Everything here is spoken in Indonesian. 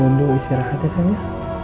untuk istirahat ya sayang ya